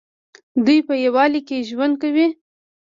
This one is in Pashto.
دوی په یووالي کې ژوند کوي.